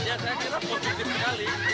ya saya kira positif sekali